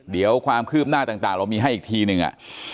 เดี๋ยวความคืบหน้าต่างเรามีให้อีกทีหนึ่ง